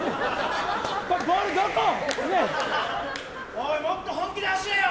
おい、もっと本気で走れよ！